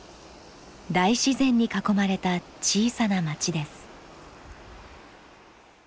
大自然に囲まれた小さな町です。